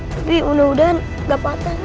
tapi mudah mudahan gak patah